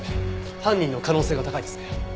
犯人の可能性が高いですね。